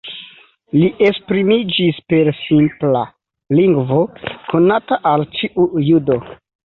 Li esprimiĝis per simpla lingvo, konata al ĉiu judo.